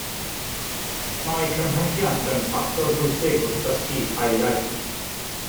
Mae cymhelliant yn ffactor bwysig wrth ddysgu ail iaith